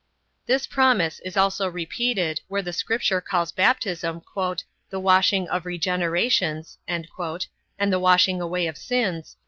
This promise is also repeated, where the scripture calls baptism "the washing of regenerations" and the washing away of sins.